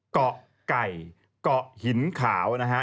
เกาะไก่เกาะหินขาวนะฮะ